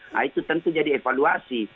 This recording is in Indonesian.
nah itu tentu jadi evaluasi